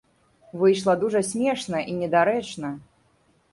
Выйшла дужа смешна і недарэчна.